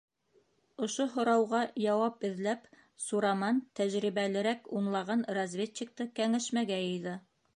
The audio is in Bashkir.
Ошо һорауға яуап эҙләп Сураман тәжрибәлерәк унлаған разведчикты кәңәшмәгә йыйҙы.